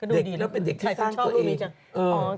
เด็กแล้วเป็นเด็กที่สร้างตัวเองชัยชอบรูปนี้จัง